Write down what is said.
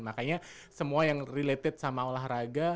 makanya semua yang related sama olahraga